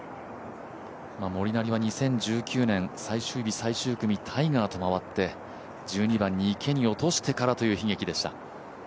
モリナリは２０１９年、最終日最終組、タイガーと回って１２番に池に落としてからという悲劇でした。